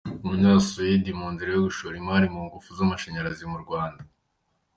Abanyasuwedi mu nzira yo gushora imari mu ngufu z’amashanyarazi mu Rwanda